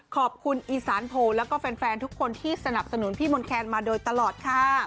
ขอบคุณอีสานโพลแล้วก็แฟนทุกคนที่สนับสนุนพี่มนต์แคนมาโดยตลอดค่ะ